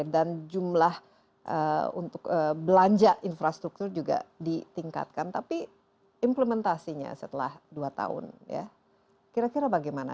dan jumlah untuk belanja infrastruktur juga ditingkatkan tapi implementasinya setelah dua tahun kira kira bagaimana